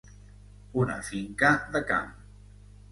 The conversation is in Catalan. Una finca de camp.